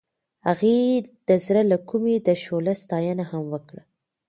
هغې د زړه له کومې د شعله ستاینه هم وکړه.